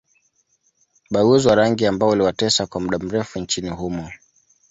Ubaguzi wa rangi ambao uliwatesa kwa mda mrefu nchini humo